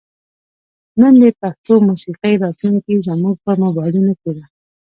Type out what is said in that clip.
نن د پښتو موسیقۍ راتلونکې زموږ په موبایلونو کې ده.